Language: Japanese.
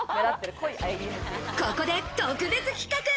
ここで特別企画。